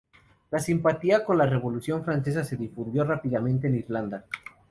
La simpatía con la Revolución francesa se difundió rápidamente en Irlanda.